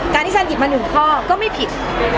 ที่ฉันหยิบมา๑ข้อก็ไม่ผิด